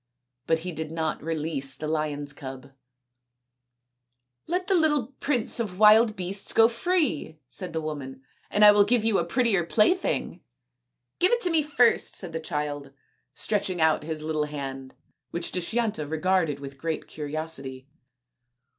But he did not release the lion's cub. SAKUNTALA AND DUSHYANTA 249 " Let the little prince of wild beasts go free," said the woman, " and I will give you a prettier plaything." " Give it to me first/' said the child, stretching out his little hand, which Dushyanta regarded with great curiosity.